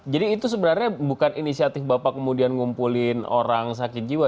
jadi itu sebenarnya bukan inisiatif bapak kemudian ngumpulin orang sakit jiwa